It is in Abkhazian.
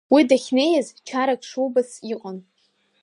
Уа дахьнеиз чарак шубац иҟан.